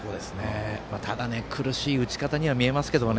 ただ、苦しい打ち方には見えますけどね。